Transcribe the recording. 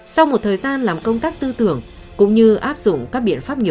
sau một thời gian làm công tác của xã hà nội xã hà nội xã hà nội xã hà nội xã hà nội